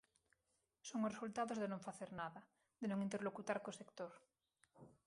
Son os resultados de non facer nada, de non interlocutar co sector.